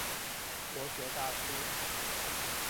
国学大师。